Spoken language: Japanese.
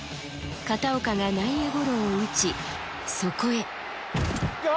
片岡が内野ゴロを打ち、そこへ。